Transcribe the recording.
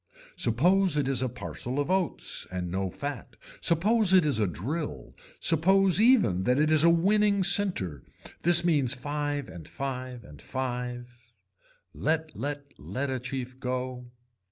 Suppose it is a parcel of oats and no fat, suppose it is a drill, suppose even that it is a winning centre, this means five and five and five. Let let let a chief go.